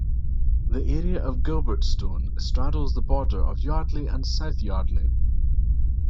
The area of Gilbertstone straddles the border of Yardley and South Yardley.